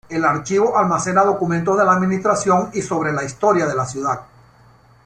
El archivo almacena documentos de la administración y sobre la historia de la ciudad.